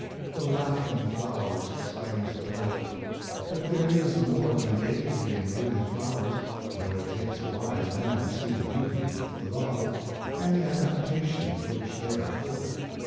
The '' laughing flowers," exclaims the poet. But there is more than gayety in blooming flowers, though it takes a wise man to see the beauty, the love, and the adaptation of which they are full.